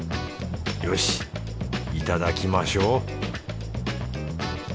よしいただきましょう